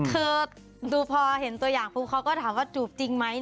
คือดูพอเห็นตัวอย่างปุ๊บเขาก็ถามว่าจูบจริงไหม